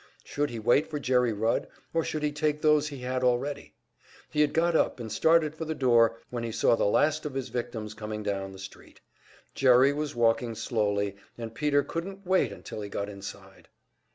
Should he wait for Jerry Rudd, or should he take those he had already? He had got up and started for the door, when he saw the last of his victims coming down the street. Jerry was walking slowly, and Peter couldn't wait until he got inside.